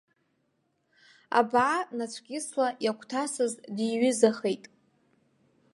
Абаа нацәкьысла иагәҭасыз диҩызахеит!